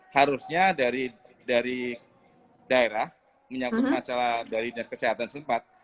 harusnya dari daerah menyangkut masalah dari dinas kesehatan sempat